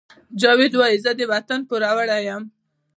جاوید وایی زه د وطن پوروړی یم